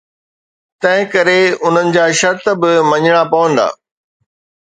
تنهنڪري انهن جا شرط به مڃڻا پوندا.